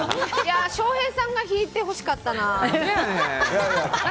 翔平さんが引いてほしかったな。